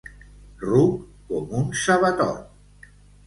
Ruc com un sabatot.